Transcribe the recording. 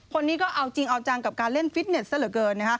คนนี้ก็เอาจริงเอาจังกับการเล่นฟิตเน็ตซะเหลือเกิน